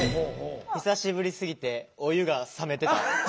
久しぶりすぎてお湯が冷めてた。